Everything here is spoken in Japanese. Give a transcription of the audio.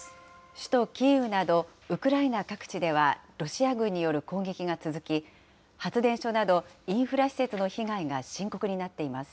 首都キーウなど、ウクライナ各地ではロシア軍による攻撃が続き、発電所など、インフラ施設の被害が深刻になっています。